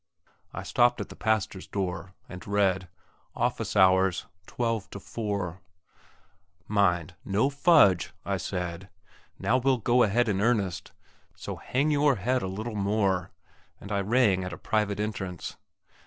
I stopped at the pastor's door, and read, "Office hours, 12 to 4." Mind, no fudge, I said; now we'll go ahead in earnest! So hang your head a little more, and I rang at the private entrance.